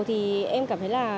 thì em cảm thấy là